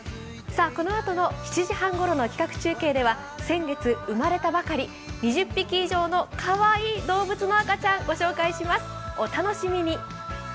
このあと７時半ごろの企画中継では先月生まれたばかり、２０匹以上のかわいい動物の赤ちゃんをご紹介します、お楽しみに。